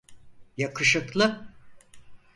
Yakışıklı.